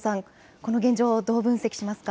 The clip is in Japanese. この現状をどう分析しますか。